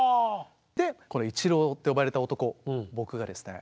でこのイチローって呼ばれた男僕がですね